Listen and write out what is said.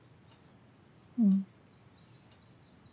うん。